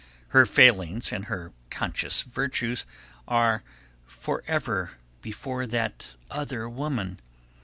Her failings and her conscious virtues are forever before that other woman.